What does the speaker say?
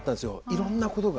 いろんなことが。